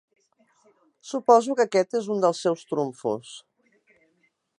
Suposo que aquest és un dels seus trumfos.